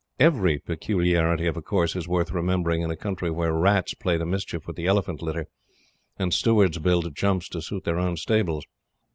EVERY peculiarity of a course is worth remembering in a country where rats play the mischief with the elephant litter, and Stewards build jumps to suit their own stables.